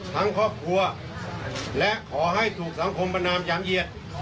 ทั้งครอบครัวและขอให้ถูกสังคมประนามอย่างเหยียด